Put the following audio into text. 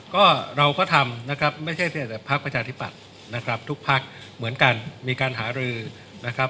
ก็เราก็ทำนะครับไม่ใช่เพียงแต่พักประชาธิปัตย์นะครับทุกพักเหมือนกันมีการหารือนะครับ